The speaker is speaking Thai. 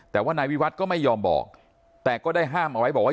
แต่ว่านายวิวัฒน์ก็ไม่ยอมบอกแต่ก็ได้ห้ามเอาไว้บอกว่า